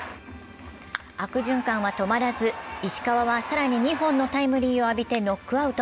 悪循環は止まらず、石川はさらに２本のタイムリーを浴びてノックアウト。